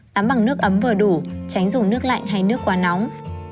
tắm bằng nước ấm vừa đủ tránh dùng nước lạnh hay nước quá nóng